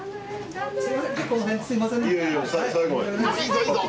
いいぞいいぞ！